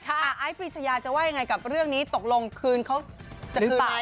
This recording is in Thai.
ไอซ์ปริชยาจะว่ายังไงกับเรื่องนี้ตกลงคืนเขาจะคืนไหม